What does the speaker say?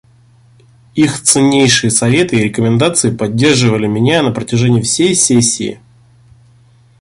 Их ценнейшие советы и рекомендации поддерживали меня на протяжении всей сессии.